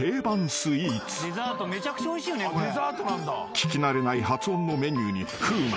［聞き慣れない発音のメニューに風磨］